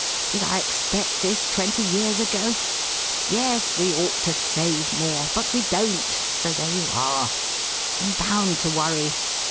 Did I expect this twenty years ago? Yes, we ought to save more. But we don't, so there you are! I'm bound to worry!